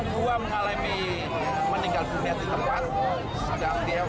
dua mengalami meninggal dunia di tempat